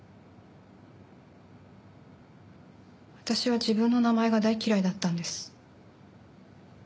あたしは自分の名前が大嫌いだったんです。